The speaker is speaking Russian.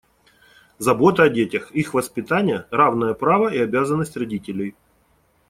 Забота о детях, их воспитание - равное право и обязанность родителей.